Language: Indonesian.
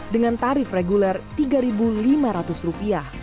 dengan tarif reguler rp tiga lima ratus